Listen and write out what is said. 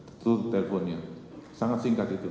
itu telponnya sangat singkat itu